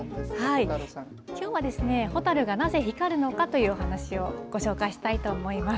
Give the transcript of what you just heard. きょうは蛍がなぜ光るのかという話をご紹介したいと思います。